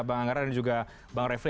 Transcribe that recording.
bang anggara dan juga bang refli